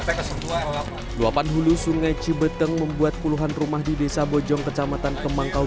rt ke dua belas luapan hulu sungai cibeteng membuat puluhan rumah di desa bojong kecamatan kemangkau